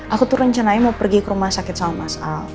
aku tuh rencananya mau pergi ke rumah sakit sama mas al